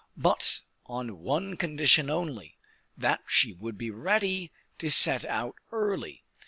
But on one condition only, that she would be ready to set out early.